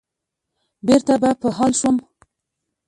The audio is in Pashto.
بېرته به په حال شوم.